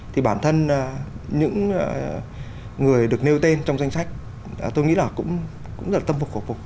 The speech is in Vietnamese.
thì bản thân những người được nêu tên trong danh sách tôi nghĩ là cũng rất là tâm phục của phục